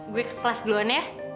gue ke kelas duluan ya